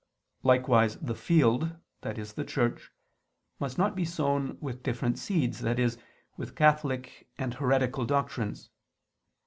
Likewise "the field," i.e. the Church, must not be sown "with different seeds," i.e. with Catholic and heretical doctrines.